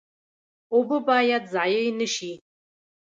اوبه باید ضایع نشي